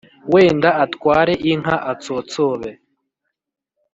Wenda atware inka atsotsobe